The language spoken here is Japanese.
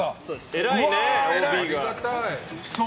偉いね！